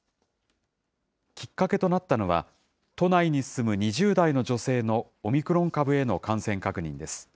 きっかけとなったのは、都内に住む２０代の女性のオミクロン株への感染確認です。